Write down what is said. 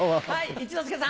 一之輔さん。